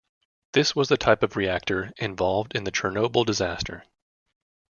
This was the type of reactor involved in the Chernobyl disaster.